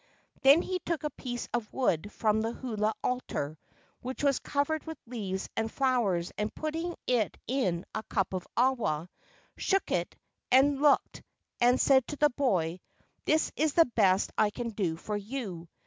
Then he took a piece of wood from the hula altar which was covered with leaves and flowers, and, putting it in a cup of awa, shook it, and looked, and said to the boy: "This is the best I can do for you.